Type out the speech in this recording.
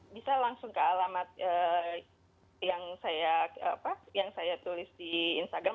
bisa langsung ke alamat yang saya tulis di instagram